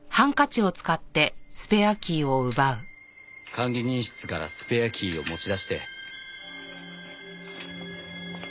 管理人室からスペアキーを持ち出して。